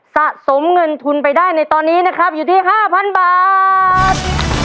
สะสมเงินทุนไปได้ในตอนนี้นะครับอยู่ที่๕๐๐บาท